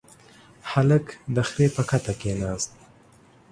هلک د خرې پر کته کېناست.